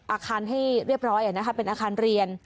อาคารให้เรียบร้อยเป็นอาคารเรียน